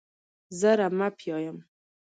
زه رمه پیايم.